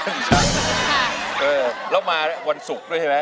เออแล้วมาวันศุกร์ด้วยใช่ไหม